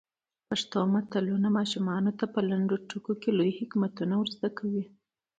پښتو متلونه ماشومانو ته په لنډو ټکو کې لوی حکمتونه ور زده کوي.